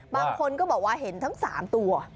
บางคนก็บอกว่าเห็นทั้ง๓ตัว